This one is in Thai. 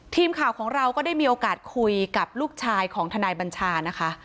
ทีมข่าวของเราก็ได้มีโอกาสคุยกับลูกชายของทนายบัญชานะคะ